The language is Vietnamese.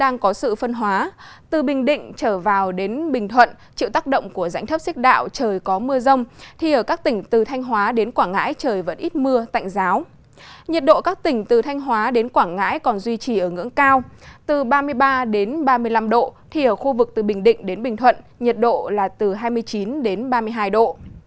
nhiệt độ các tỉnh từ thanh hóa đến quảng ngãi còn duy trì ở ngưỡng cao từ ba mươi ba đến ba mươi năm độ thì ở khu vực từ bình định đến bình thuận nhiệt độ là từ hai mươi chín đến ba mươi hai độ